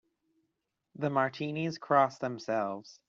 The Martinis cross themselves.